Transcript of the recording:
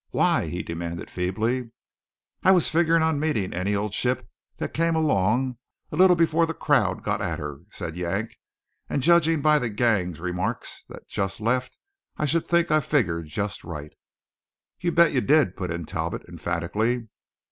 "Why?" he demanded feebly. "I was figgerin' on meeting any old ship that came along a little before the crowd got at her," said Yank. "And judgin' by the gang's remarks that just left, I should think I'd figgered just right." "You bet you did," put in Talbot emphatically.